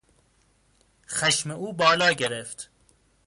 خشم او بالا گرفت.